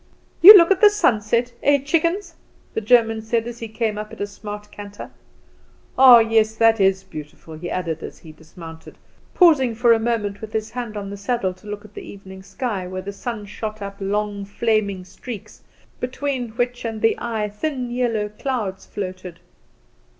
"You look at the sunset, eh, chickens?" the German said, as he came up at a smart canter. "Ah, yes, that is beautiful!" he added, as he dismounted, pausing for a moment with his hand on the saddle to look at the evening sky, where the sun shot up long flaming streaks, between which and the eye thin yellow clouds floated.